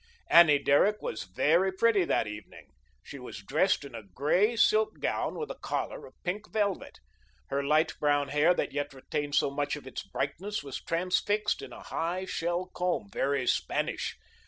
Annie Derrick was very pretty that evening. She was dressed in a grey silk gown with a collar of pink velvet. Her light brown hair that yet retained so much of its brightness was transfixed by a high, shell comb, very Spanish.